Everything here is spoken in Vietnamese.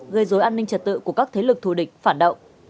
gây dối an ninh trật tự của các thế lực thù địch phản động